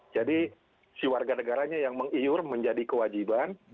jadi si warga negaranya yang mengiur menjadi kewajiban